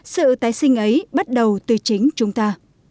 sự tái sinh ấy bắt đầu từ chính chúng ta